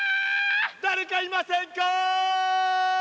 誰かいませんか？